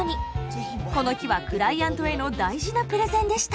この日はクライアントへの大事なプレゼンでした。